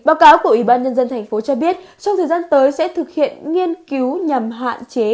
báo cáo của ủy ban nhân dân tp cho biết trong thời gian tới sẽ thực hiện nghiên cứu nhằm hạn chế